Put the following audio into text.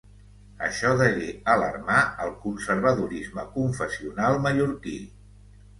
Això degué alarmar el conservadorisme confessional mallorquí.